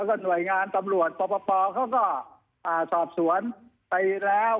แล้วก็หน่วยงานตำรวจปปเขาก็สอบสวนไปแล้ว